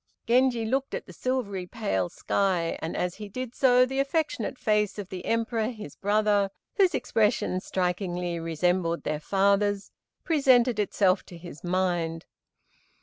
Genji looked at the silvery pale sky, and as he did so the affectionate face of the Emperor, his brother, whose expression strikingly resembled their father's, presented itself to his mind.